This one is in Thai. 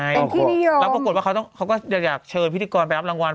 เป็นที่นิยมแล้วปรากฏว่าเขาก็อยากเชิญพิธีกรไปรับรางวัล